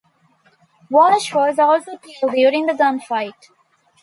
Walsh was also killed during the gunfight.